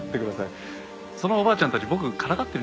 そのおばあちゃんたち僕をからかってるんじゃないですか？